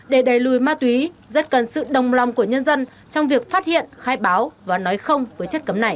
để đẩy lùi ma túy rất cần sự đồng lòng của nhân dân trong việc phát hiện khai báo và nói không với chất cấm này